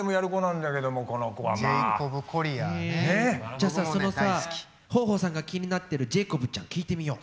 じゃあさそのさ豊豊さんが気になってるジェイコブちゃん聴いてみよう。